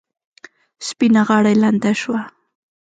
سپینه غاړه یې لنده شوه.